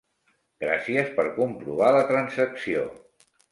Gràcies per comprovar la transacció.